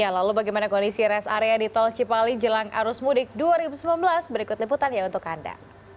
lalu bagaimana kondisi rest area di tol cipali jelang arus mudik dua ribu sembilan belas berikut liputannya untuk anda